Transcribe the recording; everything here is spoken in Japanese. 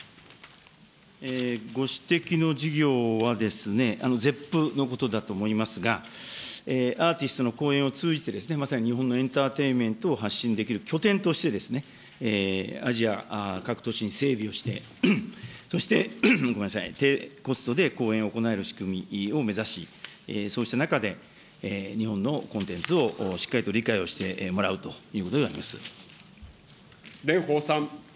ご指摘の事業はゼップのことだと思いますが、アーティストの公演を通じて、まさに日本のエンターテインメントを発信できる拠点として、アジア各都市に整備をして、そして、ごめんなさい、低コストで公演を行える仕組みを目指し、そうした中で日本のコンテンツをしっかりと理解をしてもらうとい蓮舫さん。